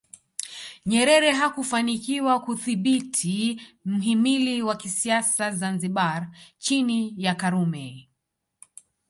Nyerere hakufanikiwa kudhibiti mhimili wa kisiasa Zanzibar chini ya Karume